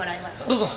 どうぞ。